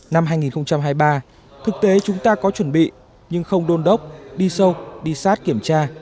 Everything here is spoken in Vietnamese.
năm hai nghìn hai mươi ba thực tế chúng ta có chuẩn bị nhưng không đôn đốc đi sâu đi sát kiểm tra